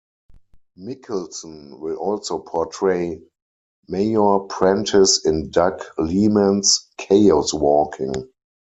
Mikkelsen will also portray Mayor Prentiss in Doug Liman's "Chaos Walking".